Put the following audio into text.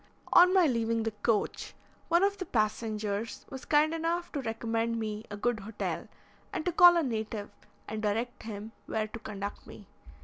On my leaving the coach, one of the passengers was kind enough to recommend me a good hotel, and to call a native and direct him where to conduct me.